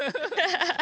ハハハッ。